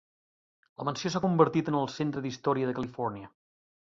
La mansió s'ha convertit en el Centre d'Història de Califòrnia.